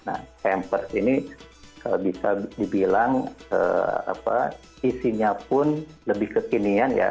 nah hampers ini bisa dibilang isinya pun lebih kekinian ya